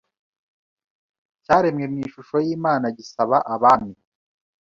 cyaremwe mu ishusho y'Imana gisaba abami